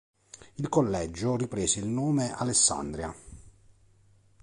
Il collegio riprese il nome Alessandria.